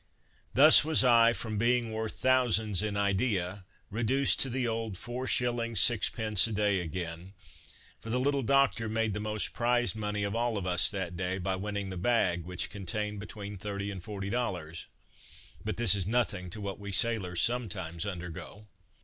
Thus was I, from being worth thousands in idea, reduced to the old 4s. 6d. a day again: for the little doctor made the most prize money of us all that day, by winning the bag, which contained between thirty and forty dollars; but this is nothing to what we sailors sometimes undergo.